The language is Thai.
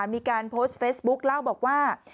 มีการโพสต์เฟซบุ๊คเล่าบอกว่า